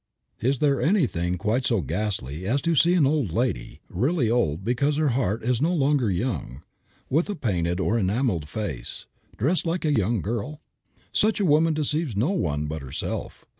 Is there anything quite so ghastly as to see an old lady (really old because her heart is no longer young), with a painted or enameled face, dressed like a young girl? Such a woman deceives no one but herself.